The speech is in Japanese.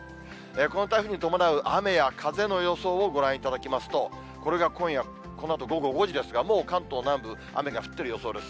この台風に伴う雨や風の予想をご覧いただきますと、これが今夜このあと午後５時ですが、もう関東南部、雨が降ってる予想です。